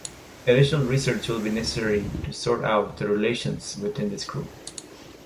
Additional research will be necessary to sort out the relations within this group.